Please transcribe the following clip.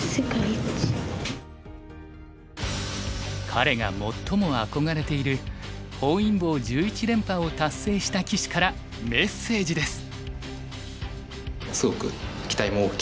彼が最も憧れている本因坊１１連覇を達成した棋士からメッセージです。